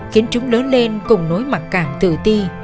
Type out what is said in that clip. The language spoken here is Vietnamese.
khiến chúng lớn lên cùng nối mặc cảm tự ti